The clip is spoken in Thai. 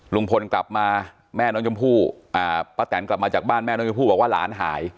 ลุงพลกลับมาแม่น้องชมพู่ป้าแตนกลับมาจากบ้านแม่น้องชมพู่บอกว่าหลานหาย